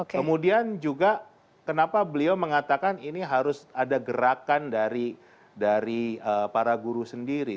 kemudian juga kenapa beliau mengatakan ini harus ada gerakan dari para guru sendiri